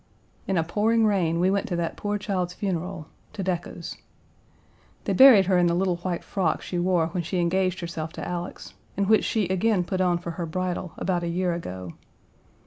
In a pouring rain we went to that poor child's funeral to Decca's. They buried her in the little white frock she wore when she engaged herself to Alex, and which she again put on for her bridal about a year ago.